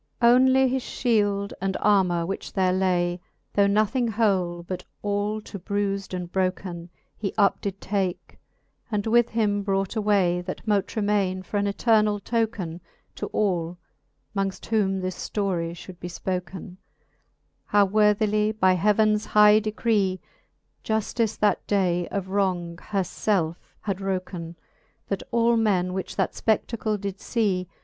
XLIV. Onely his Ihield and armour, which there lay, Though nothing whole, but all to brufd and broken, He up did take, and with him brought away, That mote remaine for an eternall token To all, mongft whom this ftorie fhould be fpoken, How worthily by heavens high decree, Juftice that day of wrong her felfe had wroken. That all men, which that fpe£i:acle did lee.